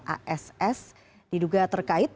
ass diduga terkait